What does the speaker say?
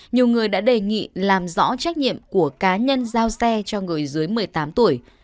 nhiều người đã đề nghị làm rõ trách nhiệm của cá nhân giao xe cho người dưới một mươi tám tuổi